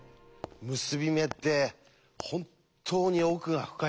結び目って本当に奥が深いものです。